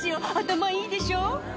「頭いいでしょ」